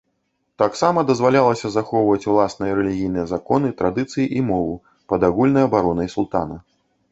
Таксама дазвалялася захоўваць уласныя рэлігійныя законы, традыцыі і мову, пад агульнай абаронай султана.